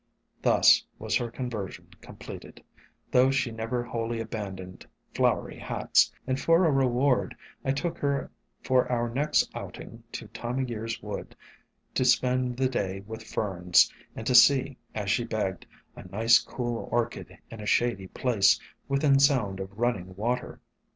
Thus was her conversion completed, though she never wholly abandoned flowery hats; and for a reward I took her for our next outing to Time o' Year's wood to spend the day with Ferns, and to see, as she begged, "a nice cool Orchid in a shady place, within sound of running water."